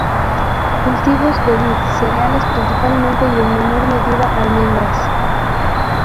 Cultivos de vid, cereales, principalmente y en menor medida almendras.